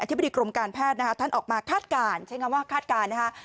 ธิบดีกรมการแพทย์นะคะท่านออกมาคาดการณ์ใช้คำว่าคาดการณ์นะคะ